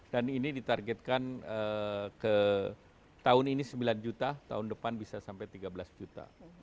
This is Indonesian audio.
dan ini ditargetkan ke tahun ini sembilan juta tahun depan bisa sampai tiga belas juta